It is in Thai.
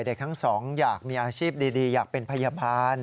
เด็กทั้งสองอยากมีอาชีพดีอยากเป็นพยาบาล